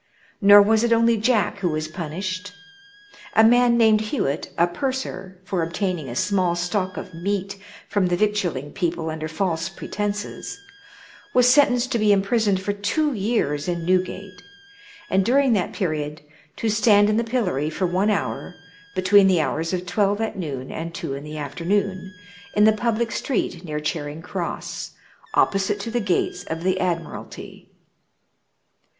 Nor was it only Jack who was punished. A man named Hewett, a purser, for obtaining a small stock of meat from the victualling people under false pretences, was sentenced to be imprisoned for two years in Newgate, and during that period to stand in the pillory for one hour, " between the hours of twelve at noon and two in the afternoon, in the public street near Charing Cross, opposite to the gates of the Admiralty."